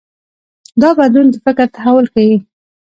دا بدلون د فکر تحول ښيي.